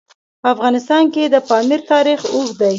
په افغانستان کې د پامیر تاریخ اوږد دی.